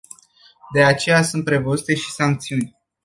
De aceea sunt prevăzute și sancțiuni.